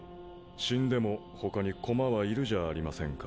死んでも他に駒はいるじゃありませんか。